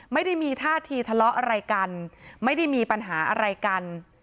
ไม่ได้มีท่าทีทะเลาะอะไรกันไม่ได้มีปัญหาอะไรกัน